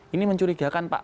ini mencurigakan pak